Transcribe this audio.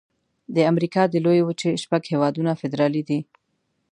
د امریکا د لویې وچې شپږ هيوادونه فدرالي دي.